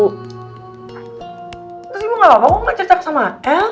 terus ibu nggak apa apa kok nggak cerita sama el